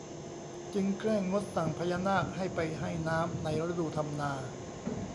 จึงแกล้งงดสั่งพญานาคให้ไปให้น้ำในฤดูทำนา